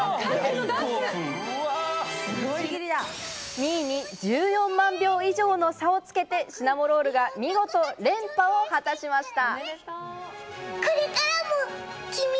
２位に１４万票差以上の差をつけてシナモロールが見事連覇を果たしました。